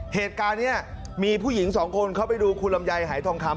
เหตุการณ์นี้มีผู้หญิงสองคนเข้าไปดูคุณลำไยหายทองคำ